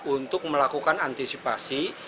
untuk melakukan antisipasi